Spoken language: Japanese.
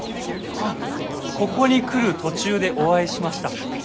あっここに来る途中でお会いしました。